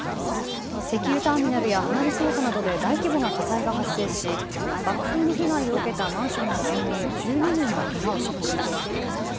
石油ターミナルや花火倉庫などで大規模な火災が発生し爆風の被害を受けたマンションの住人１２人がけがをしました。